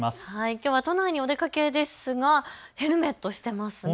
きょうは都内にお出かけですがヘルメット、していますね。